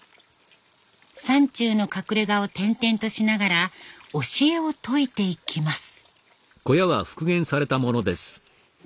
山中の隠れがを転々としながら教えを説いていきます。